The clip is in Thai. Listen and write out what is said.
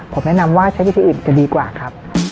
ผมแนะนำว่าใช้วิธีอื่นจะดีกว่าครับ